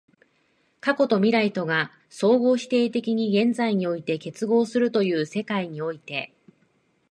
過去と未来とが相互否定的に現在において結合するという世界において、